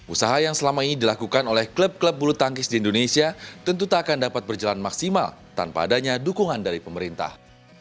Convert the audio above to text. usaha yang selama ini dilakukan oleh klub klub bulu tangkis di indonesia tentu tak akan dapat berjalan maksimal tanpa adanya dukungan dari pemerintah